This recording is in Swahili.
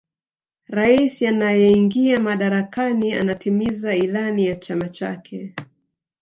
raisi anayeingia madarakani anatimiza ilani ya chama chake